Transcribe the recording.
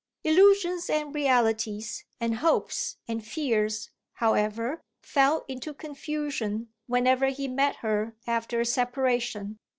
Illusions and realities and hopes and fears, however, fell into confusion whenever he met her after a separation.